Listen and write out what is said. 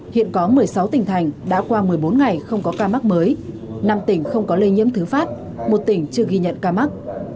hiện có một mươi sáu tỉnh thành đã qua một mươi bốn ngày không có ca mắc mới năm tỉnh không có lây nhiễm thứ phát một tỉnh chưa ghi nhận ca mắc